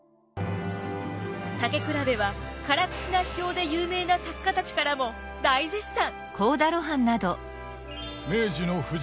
「たけくらべ」は辛口な批評で有名な作家たちからも大絶賛。